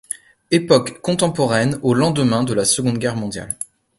Époque contemporaine, au lendemain de la Seconde Guerre mondiale.